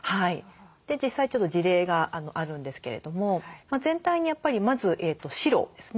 実際ちょっと事例があるんですけれども全体にやっぱりまず白ですね。